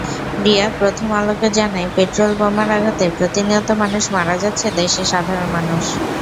রিয়াদ প্রথম আলোকে জানায়, পেট্রলবোমার আঘাতে প্রতিনিয়ত মারা যাচ্ছে দেশের সাধারণ মানুষ।